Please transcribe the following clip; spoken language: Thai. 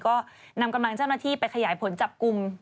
ก็นำกำลังเจ้าหน้าที่ไปขยายผลจับกลุ่ม